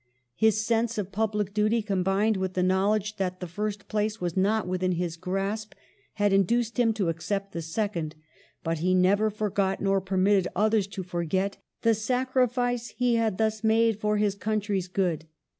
His sense of public duty, combined with the knowledge that the first place was not within his grasp, had induced him to accept the second. But he never forgot, nor permitted others to forget, the sacrifice he had thus made for his country's good.